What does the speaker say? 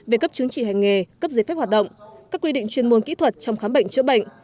về cấp chứng chỉ hành nghề cấp giấy phép hoạt động các quy định chuyên môn kỹ thuật trong khám bệnh chữa bệnh